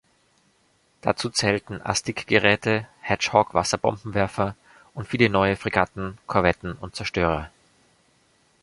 Dazu zählten Asdic-Geräte, Hedgehog-Wasserbombenwerfer und viele neue Fregatten, Korvetten und Zerstörer.